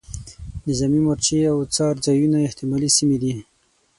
نظامي مورچې او څار ځایونه احتمالي سیمې دي.